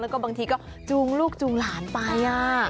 แล้วก็บางทีก็จูงลูกจูงหลานไป